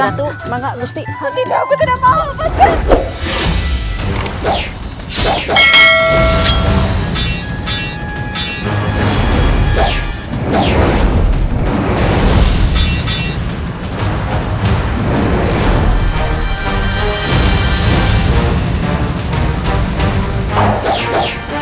oh tidak aku tidak mau lepas kereta